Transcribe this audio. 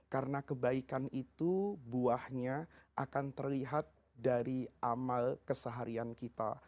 karena kebaikan itu buahnya akan terlihat dari amal keseharian kita